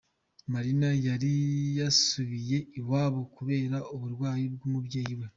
Marina yari yasubiye iwabo kubera uburwayi bw'umubyeyi we.